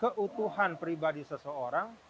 keputuhan pribadi seseorang